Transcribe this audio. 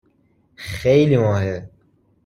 خیلی ماهه